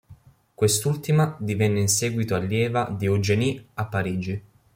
Quest'ultima divenne in seguito allieva di Eugénie a Parigi.